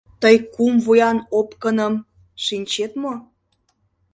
— Тый кум вуян опкыным шинчет мо?